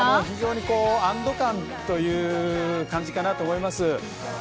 非常に安堵感という感じかなと思います。